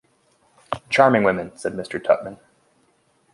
‘Charming women,’ said Mr. Tupman.